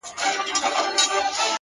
زما سره اوس لا هم د هغي بېوفا ياري ده!